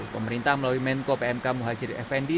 pemerintah melalui menko pmk muhajir effendi